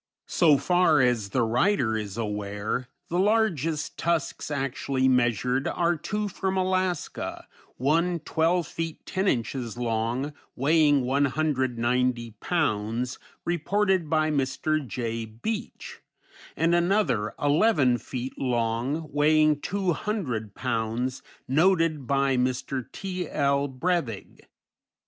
So far as the writer is aware, the largest tusks actually measured are two from Alaska, one twelve feet ten inches long, weighing 190 pounds, reported by Mr. Jay Beach; and another eleven feet long, weighing 200 pounds, noted by Mr. T. L. Brevig.